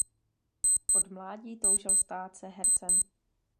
Od mládí toužil stát se hercem.